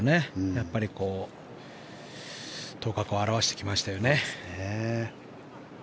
やっぱり頭角を現してきましたよね。